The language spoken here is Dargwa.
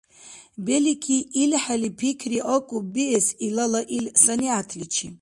Белики, илхӀели пикри акӀуб биэс илала ил санигӀятличи.